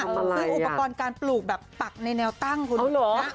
คืออุปกรณ์การปลูกแบบปักในแนวตั้งคุณนะ